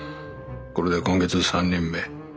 これで今月三人目。